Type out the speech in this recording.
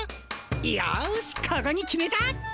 よしここに決めた。